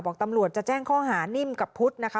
บอกตำรวจจะแจ้งข้อหานิ่มกับพุทธนะคะ